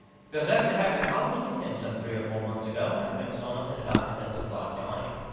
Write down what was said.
Because, as it happens, I was with him some three or four months ago, and I never saw nothing about him that looked like dying.